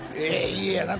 家やな